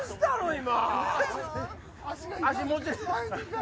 今。